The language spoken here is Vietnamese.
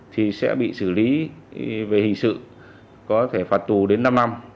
thì sẽ bị xử lý về hình sự có thể phạt tù đến năm năm